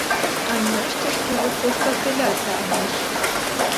А нащо ж ти за хвоста теля тягнеш?